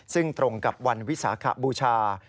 ซึ่งตรงกับวันวิสาขบูชา